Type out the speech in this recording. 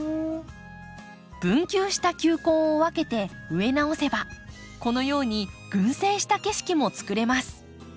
分球した球根を分けて植え直せばこのように群生した景色も作れます。